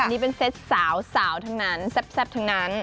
อันนี้เป็นเซตสาวสาวทั้งนั้นแซ่บทั้งนั้น